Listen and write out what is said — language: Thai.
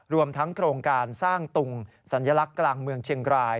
รวมทั้งโครงการสร้างตุงสัญลักษณ์กลางเมืองเชียงราย